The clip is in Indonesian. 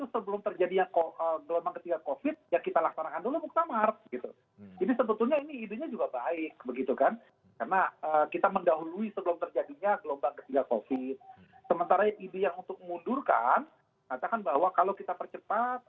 sementara ide yang untuk mengundurkan katakan bahwa kalau kita percepat